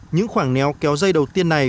những khoảng néo kéo dây đầu tiên này